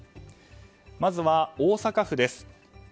まずは大阪府です。